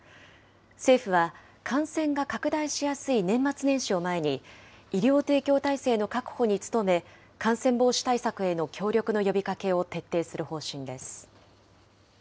政府は、感染が拡大しやすい年末年始を前に、医療提供体制の確保に努め、感染防止対策への協力の呼びかけを徹底する方針です。